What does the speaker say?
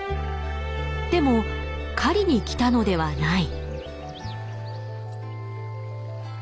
でも狩りに来たのではない。